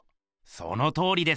そのとおりです。